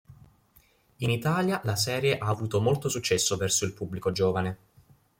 In Italia la serie ha avuto molto successo verso il pubblico giovane.